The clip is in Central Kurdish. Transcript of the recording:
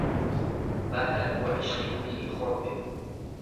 با هەر بۆ عیشقی دڵی خۆم بێ